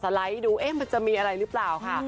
ดิฉันก็สไลข์ดูเอ๊ะมันจะมีอะไรรึเปล่าค่ะ